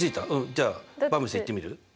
じゃあばんびさんいってみる？